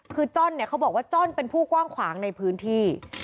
คือจ้อนเนี่ยเขาบอกว่าจ้อนเป็นผู้กว้างขวางในพื้นที่